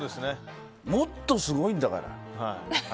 もっとすごいんだから。